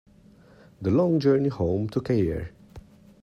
The long journey home took a year.